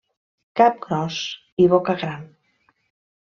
Cap gros i boca gran.